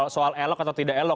soal elok atau tidak elok